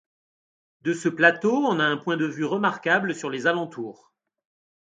De ce plateau, on a un point de vue remarquable sur les alentours.